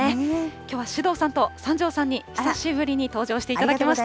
きょうは首藤さんと三條さんに久しぶりに登場していただきました。